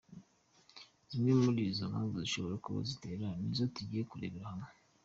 Zimwe muri izo mpamvu zishobora kuba zibitera nizo tugiye kurebera hamwe.